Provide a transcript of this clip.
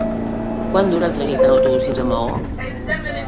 Quant dura el trajecte en autobús fins a Maó?